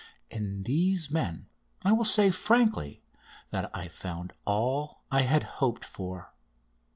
In these men I will say frankly that I found all I had hoped for.